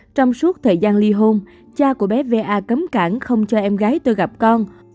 trong suốt thời gian ly hôn cha của bé va cấm cảng không cho em gái tôi gặp con